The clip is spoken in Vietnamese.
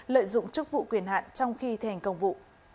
lợi dụng chức vụ quyền hạn trong khi thi hành công vụ